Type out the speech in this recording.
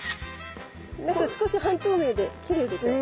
少し半透明できれいでしょ。ね